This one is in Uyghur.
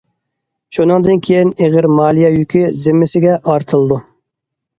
شۇندىن كېيىن ئېغىر مالىيە يۈكى زىممىسىگە ئارتىلىدۇ.